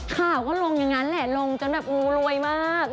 ข่าวก็ลงอย่างนั้นแหละลงจนแบบอู้รวยมาก